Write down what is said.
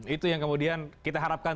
itu yang kemudian kita harapkan